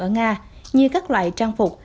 ở nga như các loại trang phục